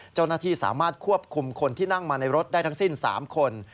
เจ้าหน้าที่สามารถควบคุมคนที่นั่งมาในรถได้ทั้งสิ้น๓คน